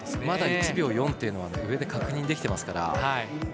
まだ１秒４というのは上で確認できてますから。